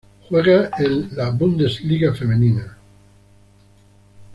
Juega en la Bundesliga Femenina.